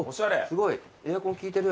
すごいエアコン効いてる。